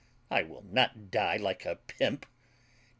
I will not die like a pimp.